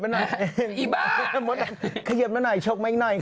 แบบขยับมาหน่อย